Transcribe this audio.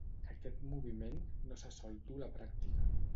Aquest moviment no se sol dur a la pràctica.